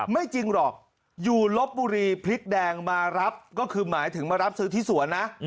ไม่จริงหรอกอยู่ลบบุรีพริกแดงมารับก็คือหมายถึงมารับซื้อที่สวนนะ